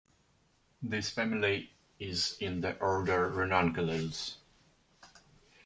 This family is in the order Ranunculales.